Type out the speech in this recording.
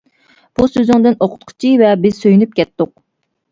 بۇ سۆزۈڭدىن ئوقۇتقۇچى ۋە بىز سۆيۈنۈپ كەتتۇق.